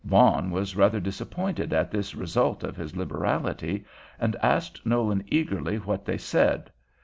Vaughan was rather disappointed at this result of his liberality, and asked Nolan eagerly what they said.